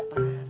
oh udah neng